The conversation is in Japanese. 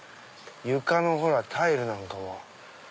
床のタイルなんかも。